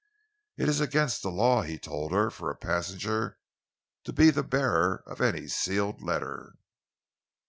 "It is against the law," he told her, "for a passenger to be the bearer of any sealed letter."